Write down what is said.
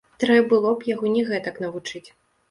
Трэ было б яго не гэтак навучыць.